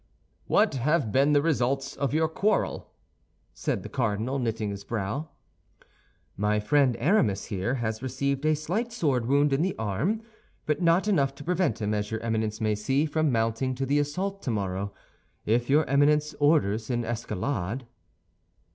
"What have been the results of your quarrel?" said the cardinal, knitting his brow. "My friend, Aramis, here, has received a slight sword wound in the arm, but not enough to prevent him, as your Eminence may see, from mounting to the assault tomorrow, if your Eminence orders an escalade."